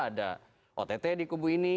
ada ott di kubu ini